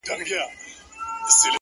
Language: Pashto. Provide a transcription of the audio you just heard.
دعا ـ دعا ـ دعا ـدعا كومه ـ